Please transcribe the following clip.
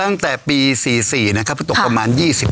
ตั้งแต่ปี๔๔ปีประมาณ๒๐ปี